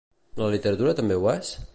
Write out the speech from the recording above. La literatura també ho és?